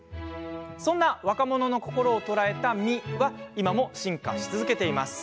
そんな若者の心を捉えた「み」は今も進化し続けています。